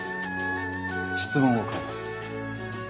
質問を変えます。